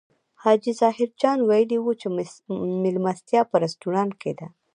حاجي ظاهر جان ویلي و چې مېلمستیا په رستورانت کې ده.